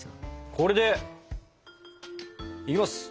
これでいきます！